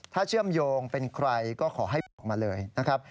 ถ้าเชื่อมโยงเป็นใครก็ขอให้บอกมาเลยนะครับ